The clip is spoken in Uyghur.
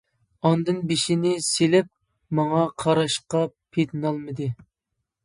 ئاندىن بېشىنى سېلىپ ماڭا قاراشقا پېتىنالمىدى.